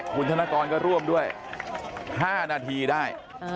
คุณธนกรก็ร่วมด้วย๕นาทีได้